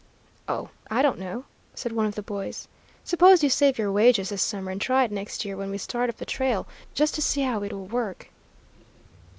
"Oh, I don't know," said one of the boys. "Suppose you save your wages this summer and try it next year when we start up the trail, just to see how it will work."